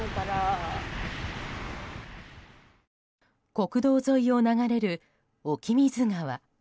国道沿いを流れる沖水川。